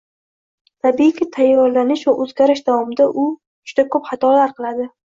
Tabiiyki tayyorlanish va o’rganish davomida u juda ko’p xatolar qiladi